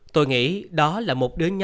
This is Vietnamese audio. tôi nghĩ đó là một đứa nhỏ